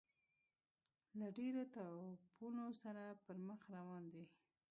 له ډیرو توپونو سره پر مخ روان دی.